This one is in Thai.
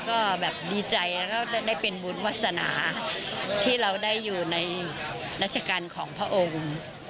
ก็แบบดีใจแล้วก็ได้เป็นบุญวาสนาที่เราได้อยู่ในรัชกาลของพระองค์